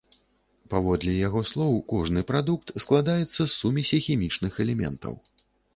Паводле яго слоў, кожны прадукт складаецца з сумесі хімічных элементаў.